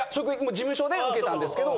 事務所で受けたんですけど